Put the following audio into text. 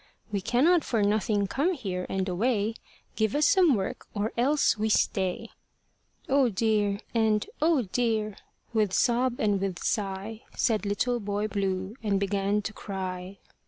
"We cannot for nothing come here, and away. Give us some work, or else we stay." "Oh dear! and oh dear!" with sob and with sigh, Said Little Boy Blue, and began to cry.